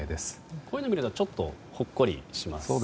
こういうの見るとちょっとほっこりしますね。